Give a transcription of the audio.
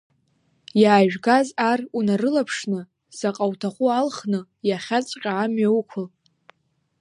Иаажәгаз ар унарылаԥшны заҟа уҭаху алхны иахьаҵәҟьа амҩа уқәыл!